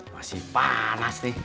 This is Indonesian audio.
masih panas nih